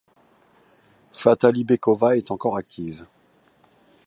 Fatalibekova est encore active.